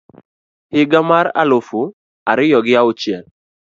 higa mar aluf ariyo gi Auchiel